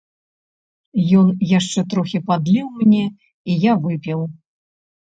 Ён яшчэ трохі падліў мне, і я выпіў.